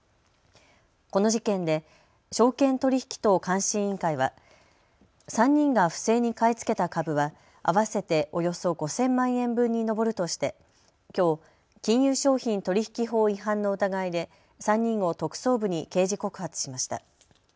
この事件で証券取引等監視委員会は３人が不正に買い付けた株は合わせておよそ５０００万円分に上るとしてきょう金融商品取引法違反の疑いで３人を特捜部に刑事告発しました。